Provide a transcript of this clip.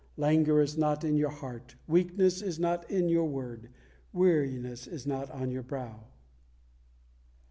Languor is not in your heart, Weakness is not in your word, Weariness not on your brow.